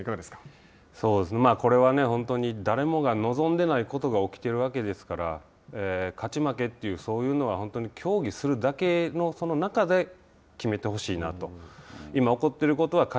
これは本当に誰もが望んでないことが起きているわけですから勝ち負けというそういうのは、本当に競技するだけの中で決めてほしいなと。